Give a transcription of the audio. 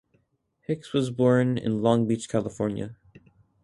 Hicks was born in Long Beach, California.